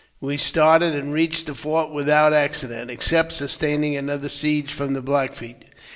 We started, and reached the fort without accident, except sustaining another siege from the Black Feet.